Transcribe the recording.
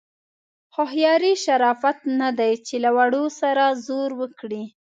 هوښیاري شرافت نه دی چې له وړو سره زور وکړي.